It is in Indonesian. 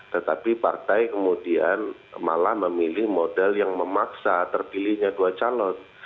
tetapi partai kemudian malah memilih model yang memaksa terpilihnya dua calon